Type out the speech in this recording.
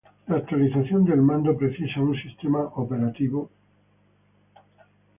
La actualización del mando precisa un sistema operativo Windows o Apple.